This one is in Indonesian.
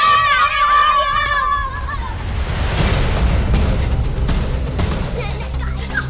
dan menegangnya udah marah kayaknya udah patah